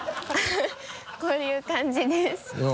こういう感じです。